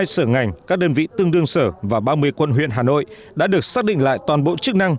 hai mươi sở ngành các đơn vị tương đương sở và ba mươi quận huyện hà nội đã được xác định lại toàn bộ chức năng